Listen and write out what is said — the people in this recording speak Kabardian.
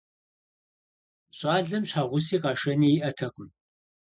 Щӏалэм щхьэгъуси къэшэни иӀэтэкъым.